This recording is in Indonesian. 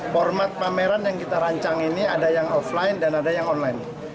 format pameran yang kita rancang ini ada yang offline dan ada yang online